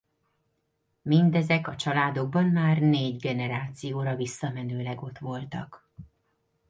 Mindezek a családokban már négy generációra visszamenőleg ott voltak.